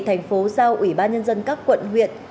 thành phố giao ủy ban nhân dân các quận huyện